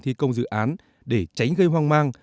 thi công dự án để tránh gây hoang mang